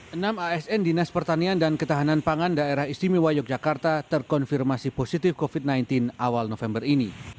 enam asn dinas pertanian dan ketahanan pangan daerah istimewa yogyakarta terkonfirmasi positif covid sembilan belas awal november ini